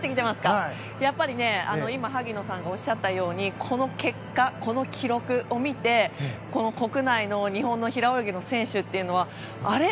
やっぱり、今、萩野さんがおっしゃったようにこの結果、この記録を見て国内の日本の平泳ぎの選手というのはあれ？